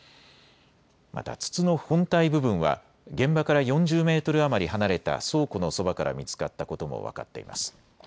また筒の本体部分は現場から４０メートル余り離れた倉庫のそばから見つかったことも分かっています。